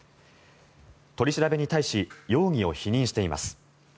取り調べに対し容疑を否認しています。